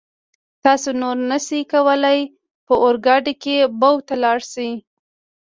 تاسو نور نشئ کولای په اورګاډي کې بو ته لاړ شئ.